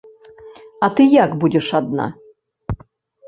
А ты як будзеш адна?